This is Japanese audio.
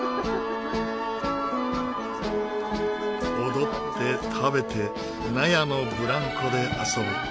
踊って食べて納屋のブランコで遊ぶ。